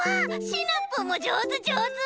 シナプーもじょうずじょうず！